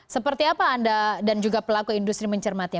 seperti apa anda dan juga pelaku industri mencermati